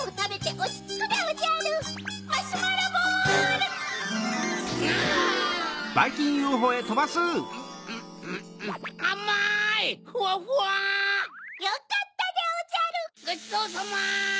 ごちそうさま！